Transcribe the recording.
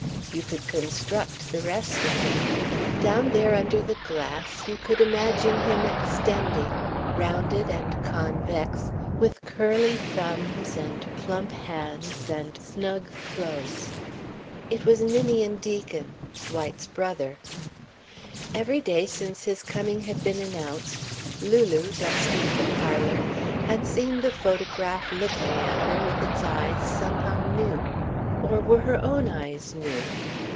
You could construct the rest of him. Down there under the glass you could imagine him extending, rounded and convex, with plump hands and curly thumbs and snug clothes. It was Ninian Deacon, Dwight's brother. Every day since his coming had been announced Lulu, dusting the parlour, had seen the photograph looking at her with its eyes somehow new. Or were her own eyes new?